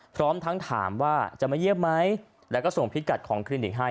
พร้อมทั้งถามว่าจะมาเยี่ยมไหมแล้วก็ส่งพิกัดของคลินิกให้